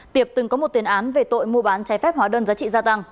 tiệp từng có một tiền án về tội mua bán trái phép hóa đơn giá trị gia tăng